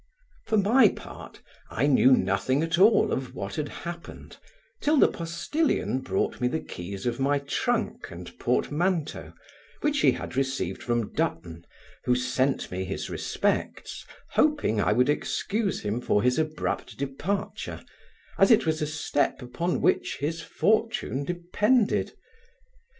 For my part, I knew nothing at all of what had happened, till the postilion brought me the keys of my trunk and portmanteau, which he had received from Dutton, who sent me his respects, hoping I would excuse him for his abrupt departure, as it was a step upon which his fortune depended.